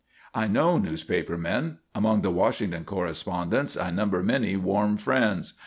"I know newspaper men. Among the Washington correspondents I number many warm friends.